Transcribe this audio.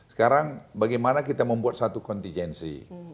sekarang bagaimana kita membuat satu kontingensi